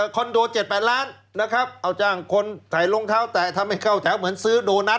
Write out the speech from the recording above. คอนโด๗๘ล้านนะครับเอาจ้างคนถ่ายรองเท้าแตะทำให้เข้าแถวเหมือนซื้อโดนัท